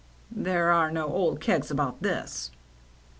"There are no old kegs about this."